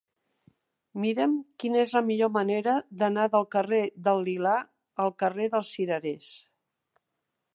Mira'm quina és la millor manera d'anar del carrer del Lilà al carrer dels Cirerers.